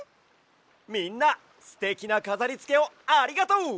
みんなすてきなかざりつけをありがとう！